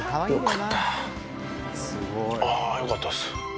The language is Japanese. あぁよかったです。